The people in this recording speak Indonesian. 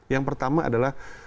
yang pertama adalah